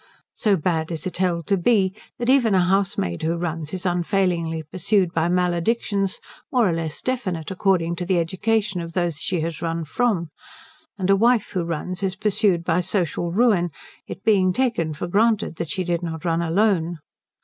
So bad is it held to be that even a housemaid who runs is unfailingly pursued by maledictions more or less definite according to the education of those she has run from; and a wife who runs is pursued by social ruin, it being taken for granted that she did not run alone.